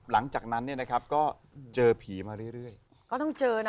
หลังจากนั้นเนี่ยนะครับก็เจอผีมาเรื่อยเรื่อยก็ต้องเจอนะ